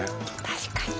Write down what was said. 確かに。